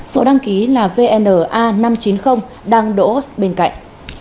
số đăng ký là vna năm trăm chín mươi đang đỗ bên cạnh